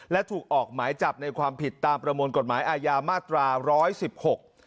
และถูกออกหมายจับในความผิดตามประมวลกฎหมายอาญามาตราร้อยสิบหก